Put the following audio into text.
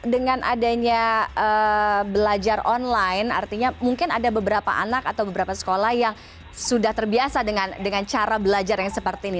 dengan adanya belajar online artinya mungkin ada beberapa anak atau beberapa sekolah yang sudah terbiasa dengan cara belajar yang seperti ini